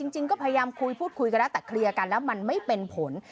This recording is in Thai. จริงก็พยายามคุยพูดคุยกันแล้วแต่เคลียร์กันแล้วมันไม่เป็นผล